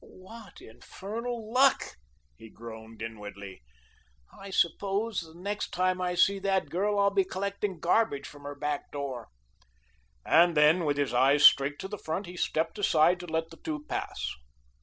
"What infernal luck," he groaned inwardly; "I suppose the next time I see that girl I'll be collecting garbage from her back door." And then, with his eyes straight to the front, he stepped aside to let the two pass.